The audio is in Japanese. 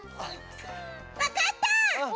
わかった！